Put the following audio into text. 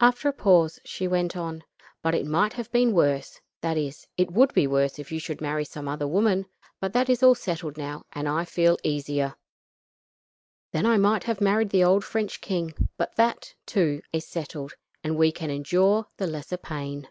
After a pause she went on: "But it might have been worse that is, it would be worse if you should marry some other woman; but that is all settled now and I feel easier. Then I might have married the old French king, but that, too, is settled; and we can endure the lesser pain.